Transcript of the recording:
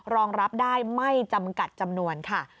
รองรับได้ไม่จำกัดจำนวนค่ะ